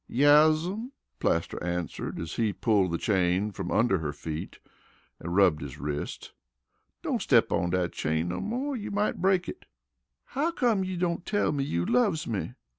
"Yes'm," Plaster answered as he pulled the chain from under her feet and rubbed his wrist. "Don't step on dat chain no mo'. You might break it." "How come you don't tell me you loves me?"